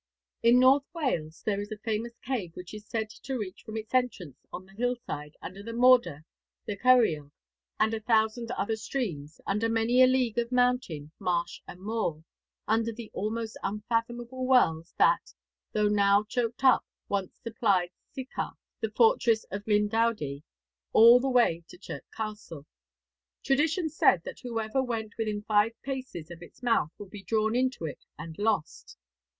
In North Wales there is a famous cave which is said to reach from its entrance on the hillside 'under the Morda, the Ceiriog, and a thousand other streams, under many a league of mountain, marsh and moor, under the almost unfathomable wells that, though now choked up, once supplied Sycharth, the fortress of Glyndwrdwy, all the way to Chirk Castle.' Tradition said that whoever went within five paces of its mouth would be drawn into it and lost.